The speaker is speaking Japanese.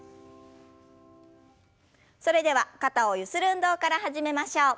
それでは肩をゆする運動から始めましょう。